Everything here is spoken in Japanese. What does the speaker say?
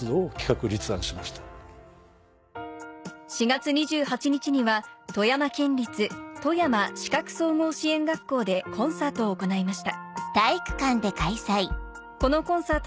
４月２８日には富山県立富山視覚総合支援学校でコンサートを行いました